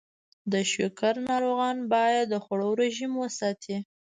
د شکر ناروغان باید د خوړو رژیم وساتي.